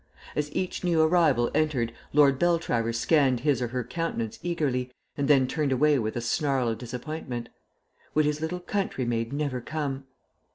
As each new arrival entered Lord Beltravers scanned his or her countenance eagerly, and then turned away with a snarl of disappointment. Would his little country maid never come?